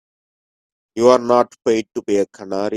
You're not paid to be a canary.